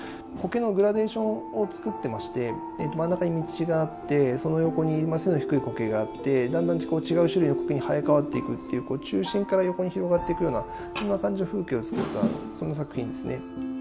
苔のグラデーションを作ってまして真ん中に道があってその横に低い苔があってだんだんこう違う種類の苔に生え替わっていくっていう中心から横に広がっていくようなそんな感じの風景を作ったそんな作品ですね。